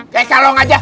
kayak kalong aja